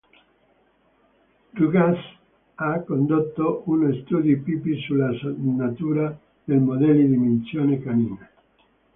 Rugaas ha condotto uno "studio pipì" sulla natura dei modelli di minzione canina.